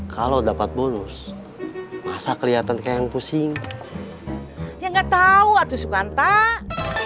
kalau dapat bonus masa kelihatan kayak yang pusing ya nggak tahu atau suka entah